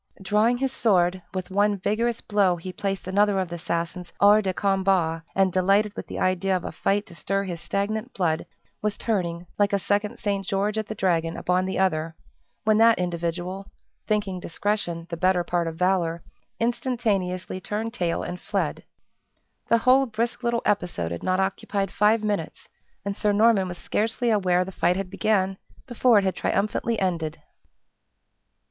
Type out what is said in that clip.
Drawing his sword, with one vigorous blow he placed another of the assassins hors de combat; and, delighted with the idea of a fight to stir his stagnant blood, was turning (like a second St. George at the Dragon), upon the other, when that individual, thinking discretion the better part of valor, instantaneously turned tail and fled. The whole brisk little episode had not occupied five minutes, and Sir Norman was scarcely aware the fight had began before it had triumphantly ended.